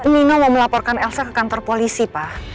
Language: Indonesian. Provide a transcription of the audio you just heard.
mino mau melaporkan elsa ke kantor polisi pak